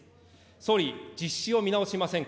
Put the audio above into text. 総理、実施を見直しませんか。